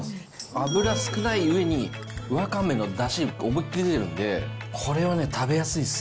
油少ないうえに、わかめのだしが思いっ切り出てるんで、これはね、食べやすいです